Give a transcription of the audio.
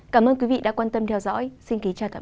cảm ơn quý vị đã quan tâm theo dõi